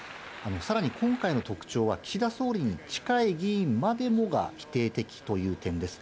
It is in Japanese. さらに今回の特徴は、岸田総理に近い議員までもが否定的という点です。